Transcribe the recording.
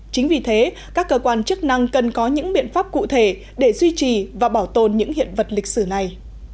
chính vì thế các cơ quan chức năng cần có những biện pháp cụ thể để duy trì và bảo tồn những hiện vật lịch sử này